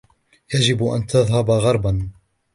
يجب أن تذهب غربا